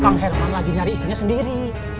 bang herman lagi nyari istrinya sendiri